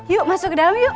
yuk masuk ke dalam yuk